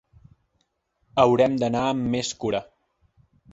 Haurem d’anar amb més cura.